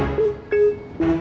ya pak juna